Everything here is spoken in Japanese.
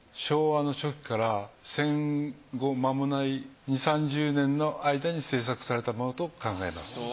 昭和の初期から戦後間もない２０３０年の間に製作されたものと考えます。